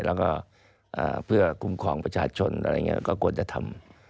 แล้วก็เพื่อคุ้มครองประชาชนอะไรอย่างนี้ก็ควรจะทำ